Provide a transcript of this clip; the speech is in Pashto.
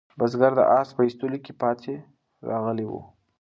بزګر د آس په ایستلو کې پاتې راغلی و.